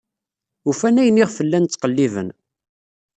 Ufan ayen iɣef llan ttqelliben.